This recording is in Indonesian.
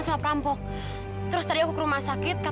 sampai jumpa dia